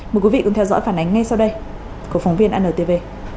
mời quý vị cùng theo dõi phản ánh ngay sau đây của phóng viên antv